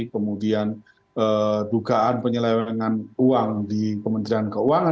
kemudian dugaan penyelewengan uang di kementerian keuangan